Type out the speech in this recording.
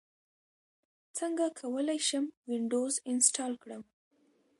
څنګه کولی شم وینډوز انسټال کړم